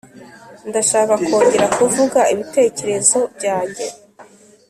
Ndashaka kongera kuvuga ibitekerezo byanjye,